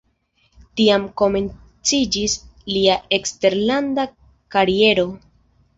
Tiam komenciĝis lia eksterlanda kariero.